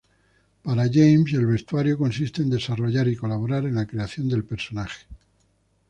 Para James, el vestuario consiste en desarrollar y colaborar en la creación del personaje.